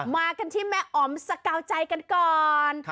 มากันที่แม่อ๋อมสกาวใจกันก่อน